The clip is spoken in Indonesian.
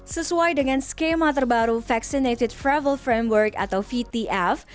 sesuai dengan skema terbaru vaccinated travel framework atau vtf